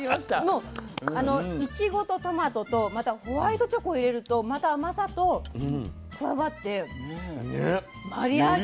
もういちごとトマトとまたホワイトチョコを入れるとまた甘さと加わってマリアージュですね。